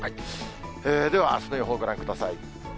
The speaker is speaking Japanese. ではあすの予報ご覧ください。